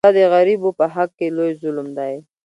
دا د غریبو په حق کې لوی ظلم دی.